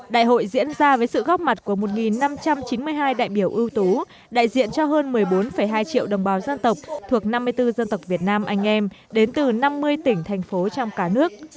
đại hội diễn ra với sự góp mặt của một năm trăm chín mươi hai đại biểu ưu tú đại diện cho hơn một mươi bốn hai triệu đồng bào dân tộc thuộc năm mươi bốn dân tộc việt nam anh em đến từ năm mươi tỉnh thành phố trong cả nước